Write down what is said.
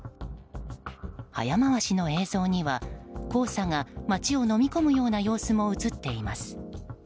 早回りの映像には黄砂が街をのみ込むような様子も映っています。